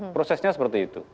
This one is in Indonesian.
prosesnya seperti itu